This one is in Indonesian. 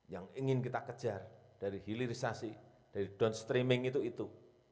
yang ingin kita kejar dari hilirisasi dari downstreaming itu itu